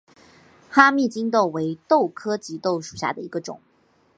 哈密棘豆为豆科棘豆属下的一个种。